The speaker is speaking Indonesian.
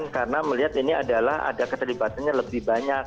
karena melihat ini adalah ada keterlibatannya lebih banyak